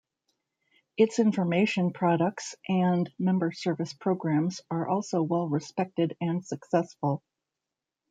Its information products and member service programs are also well respected and successful.